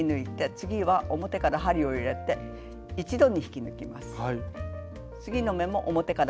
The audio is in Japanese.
次の目も表から針を入れて一度に引き抜きます。